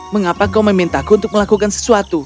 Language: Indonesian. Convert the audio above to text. mengapa kau memintaku untuk melakukan sesuatu